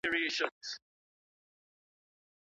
ولي کوښښ کوونکی د تکړه سړي په پرتله خنډونه ماتوي؟